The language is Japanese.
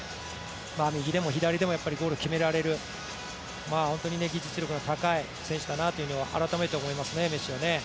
右でも左でもゴール決められる、本当に技術力の高い選手だなと改めて思います、メッシはね。